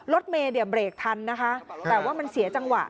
รถเมย์เนี่ยเบรกทันนะคะแต่ว่ามันเสียจังหวะ